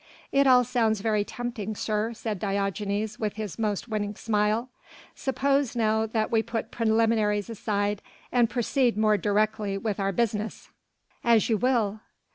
"It all sounds very tempting, sir," said Diogenes with his most winning smile, "suppose now that we put preliminaries aside and proceed more directly with our business." "As you will."